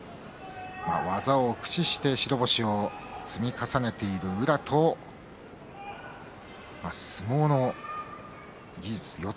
技を駆使して白星を積み重ねている宇良と相撲の技術、四つ